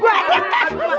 gua lihat kan